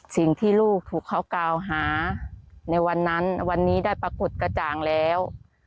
สิ่งที่ลูกถูกเขากล่าวหาในวันนั้นวันนี้ได้ปรากฏกระจ่างแล้ว